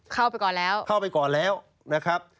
เข้าไปก่อนแล้วเข้าไปก่อนแล้วนะครับ